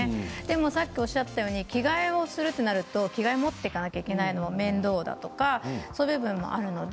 さっきおっしゃったように着替えをするとなると着替えを持っていかなくてはいけないのが面倒だとかそういうこともありますので